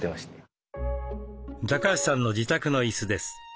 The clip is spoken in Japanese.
高橋さんの自宅の椅子です。